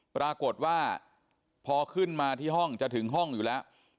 ปรากฏว่าพอขึ้นมาที่ห้องจะถึงห้องอยู่แล้ว